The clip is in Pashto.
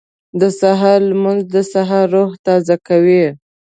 • د سهار لمونځ د انسان روح تازه کوي.